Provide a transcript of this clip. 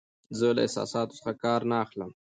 زه له احساساتو څخه کار نه اخلم.